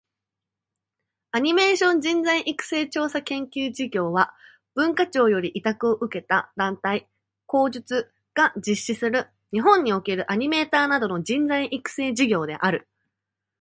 アニメーション人材育成調査研究事業（アニメーションじんざいいくせいちょうさけんきゅうじぎょう）は、文化庁より委託を受けた団体（後述）が実施する、日本におけるアニメーター等の人材育成事業である。